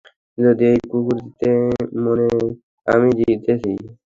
যদি এই কুকুর জিতে, মানে আমি জিতেছি।